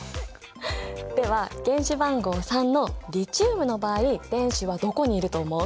では原子番号３のリチウムの場合電子はどこにいると思う？